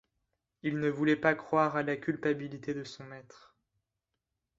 Il ne voulait pas croire à la culpabilité de son maître.